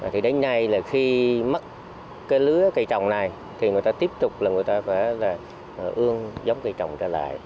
thì đến nay là khi mất cây lứa cây trồng này thì người ta tiếp tục là người ta phải ương giống cây trồng ra lại